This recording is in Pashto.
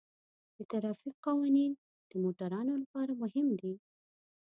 د ترافیک قوانین د موټروانو لپاره مهم دي.